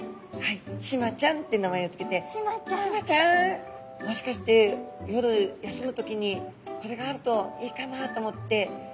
シマちゃんって名前を付けて「シマちゃんもしかして夜休む時にこれがあるといいかなと思ってタコつぼを買ってきたよ」と。